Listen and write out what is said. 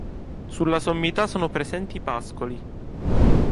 Sulla sommità sono presenti pascoli.